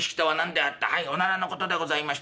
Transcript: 『はいおならのことでございました』。